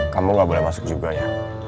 kamu gak boleh masuk juga ya